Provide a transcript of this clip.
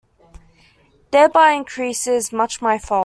Thereby increases much my fault.